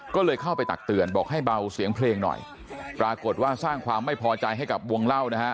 ก็เลยเข้าไปตักเตือนบอกให้เบาเสียงเพลงหน่อยปรากฏว่าสร้างความไม่พอใจให้กับวงเล่านะฮะ